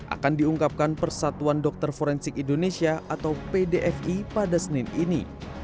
akan diungkapkan persatuan dokter forensik indonesia atau pdfi pada senin ini